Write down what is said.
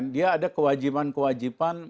dia ada kewajiban kewajiban